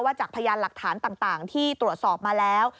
จากพยานหลักฐานต่างที่ตรวจสอบมาแล้ว